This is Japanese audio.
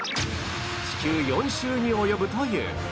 地球４周に及ぶという